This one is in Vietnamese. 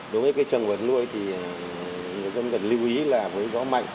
đối với cây trồng vật nuôi thì người dân cần lưu ý là với gió mạnh